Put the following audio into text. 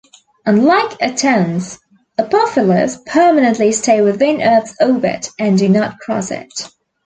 Unlike Atens, Apoheles permanently stay within Earth's orbit and do not cross it.